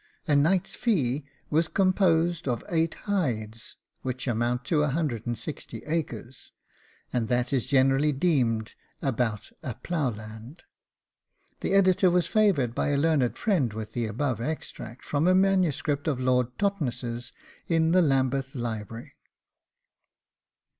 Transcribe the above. A knight's fee was composed of 8 hydes, which amount to 160 acres, and that is generally deemed about a PLOUGH LAND.' The Editor was favoured by a learned friend with the above extract, from a MS. of Lord Totness's in the Lambeth library.